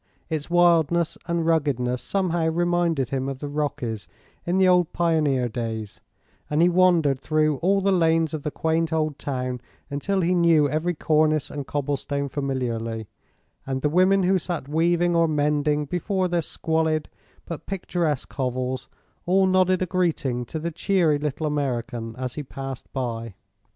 Its wildness and ruggedness somehow reminded him of the Rockies in the old pioneer days, and he wandered through all the lanes of the quaint old town until he knew every cornice and cobblestone familiarly, and the women who sat weaving or mending before their squalid but picturesque hovels all nodded a greeting to the cheery little American as he passed by.